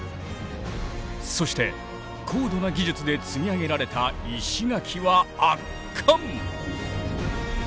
そして高度な技術で積み上げられた石垣は圧巻！